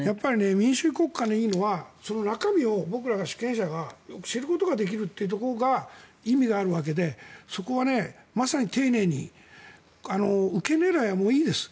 民主国家がいいのは中身を僕ら主権者がよく知ることができるっていうところが意味があるわけでそこはまさに丁寧に受け狙いはもういいです。